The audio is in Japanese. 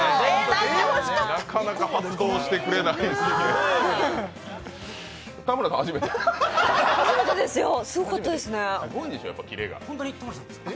なかなか発動してくれないですね。